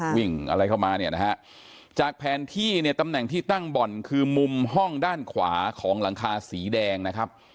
วิ่งอะไรเข้ามาเนี่ยนะฮะจากแผนที่เนี่ยตำแหน่งที่ตั้งบ่อนคือมุมห้องด้านขวาของหลังคาสีแดงนะครับ